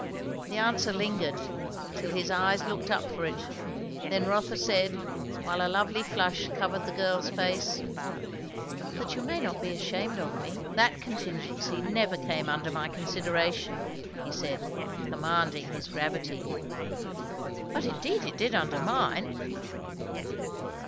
The answer lingered, till his eyes looked up for it; then Rotha said, while a lovely flush covered the girl's face, "That you may not be ashamed of me." "That contingency never came under my consideration," he said, commanding his gravity. "But indeed it did under mine!"